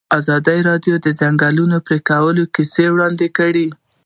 ازادي راډیو د د ځنګلونو پرېکول کیسې وړاندې کړي.